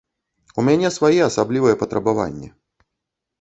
У мяне свае, асаблівыя патрабаванні.